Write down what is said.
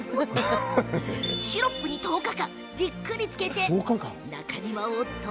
シロップに１０日間じっくり漬けて中には、おっと。